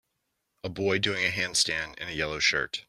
A boy doing a handstand in a yellow shirt